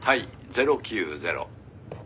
０９０」